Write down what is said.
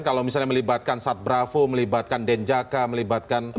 kalau misalnya melibatkan satbravo melibatkan denjaka melibatkan pak bias